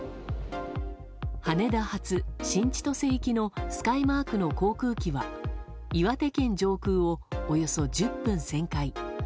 羽田発新千歳行きのスカイマークの航空機は岩手県上空をおよそ１０分旋回。